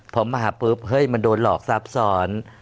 พอมาหาปุ๊บเฮ้ยมันโดนหลอกซับซ้อน